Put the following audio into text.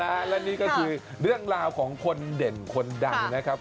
และนี่ก็คือเรื่องราวของคนเด่นคนดังนะครับ